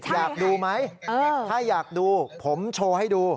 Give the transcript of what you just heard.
อยากดูไหมถ้าอยากดูผมโชว์ให้ดู